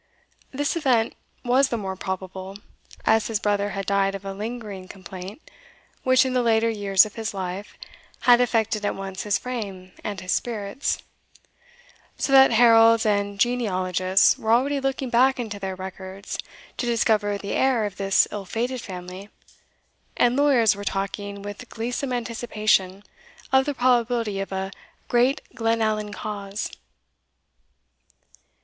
This event was the more probable, as his brother had died of a lingering complaint, which, in the latter years of his life, had affected at once his frame and his spirits; so that heralds and genealogists were already looking back into their records to discover the heir of this ill fated family, and lawyers were talking with gleesome anticipation, of the probability of a "great Glenallan cause."